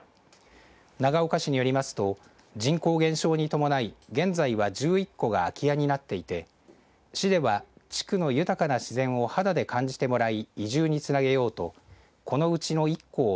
長岡市によりますと人口減少に伴い、現在は１１戸が空き家になっていて市では地区の豊かな自然を肌で感じてもらい移住につなげようとこのうちの１戸を